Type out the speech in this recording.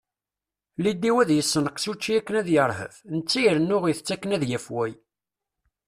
Lidiw (ɛiwaḍ) ad yessenkeẓ učči akken ad yeṛhef, netta irennu ittett akken ad yafway.